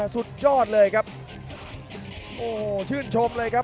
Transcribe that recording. สุดยอดเลยครับโอ้โหชื่นชมเลยครับ